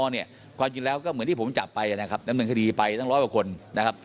เดี๋ยวตรวจสอบขยายผลต่อ